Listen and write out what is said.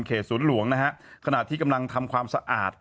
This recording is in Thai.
ศูนย์หลวงนะฮะขณะที่กำลังทำความสะอาด